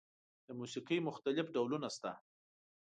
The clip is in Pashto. د موسیقۍ مختلف ډولونه شته.